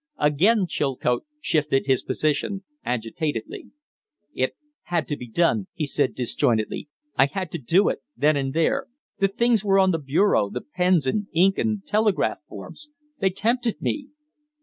Again Chilcote shifted his position agitatedly. "It, had to be done," he said, disjointedly. "I had to do it then and there. The things were on the bureau the pens and ink and telegraph forms. They tempted me."